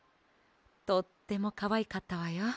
とってもかわいかったわよ。